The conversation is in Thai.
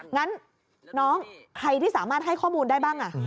งั้นน้องใครที่สามารถให้ข้อมูลได้บ้าง